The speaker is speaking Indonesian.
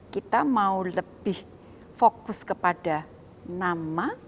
kita mau lebih fokus kepada nama